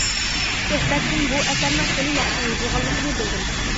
سۆھبەتتىن، بۇ ئەسەرنىڭ خىلى ياخشى يېزىلغانلىقىنى بىلدىم.